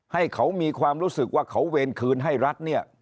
ให้เขามีความรู้สึกว่าเขาเวรคืนให้รัฐเนี่ย